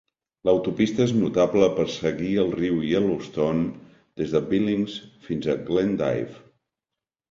L'autopista és notable per seguir el riu Yellowstone des de Billings fins a Glendive.